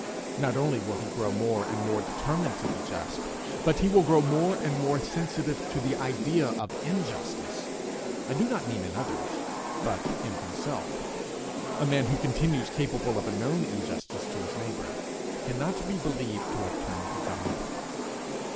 Not only will he grow more and more determined to be just, but he will grow more and more sensitive to the idea of injustice I do not mean in others, but in himself. A man who continues capable of a known injustice to his neighbour, cannot be believed to have turned to God.